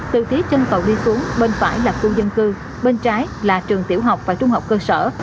từ phía trên tàu đi xuống bên phải là khu dân cư bên trái là trường tiểu học và trung học cơ sở